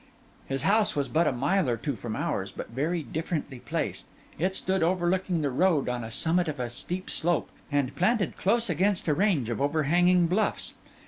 His house was but a mile or two from ours, but very differently placed. It stood overlooking the road on the summit of a steep slope, and planted close against a range of overhanging bluffs.